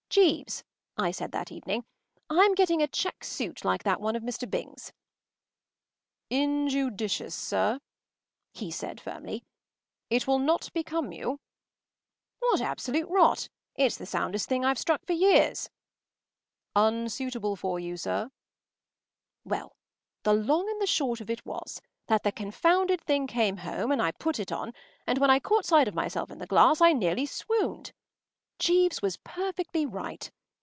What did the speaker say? “Jeeves,” I said that evening. “I’m getting a check suit like that one of Mr. Byng’s.” “Injudicious, sir,” he said firmly. “It will not become you.” “What absolute rot! It’s the soundest thing I’ve struck for years.” “Unsuitable for you, sir.” Well, the long and the short of it was that the confounded thing came home, and I put it on, and when I caught sight of myself in the glass I nearly swooned. Jeeves was perfectly right.